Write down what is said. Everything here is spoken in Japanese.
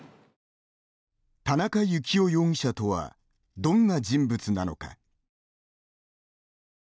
田中幸雄容疑者とはどんな人物なのか。